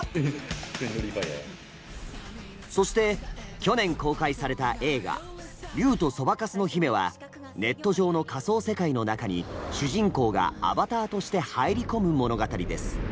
そして去年公開された映画「竜とそばかすの姫」はネット上の仮想世界の中に主人公が「アバター」として入り込む物語です。